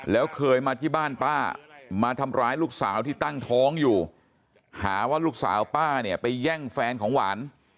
แล้วเคยมาที่บ้านป้ามาทำร้ายลูกสาวที่ตั้งท้องอยู่หาว่าลูกสาวป้าเนี่ยไปแย่งแฟนของหวาน